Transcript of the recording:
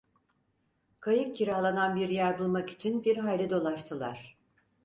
Kayık kiralanan bir yer bulmak için bir hayli dolaştılar.